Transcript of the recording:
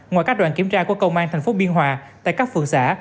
ngoài các đoàn kiểm tra của công an thành phố biên hòa tại các phường xã